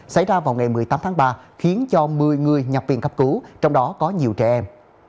xảy ra vào ngày một mươi tám tháng ba khiến cho một mươi người nhập viện cấp cứu trong đó có nhiều trẻ em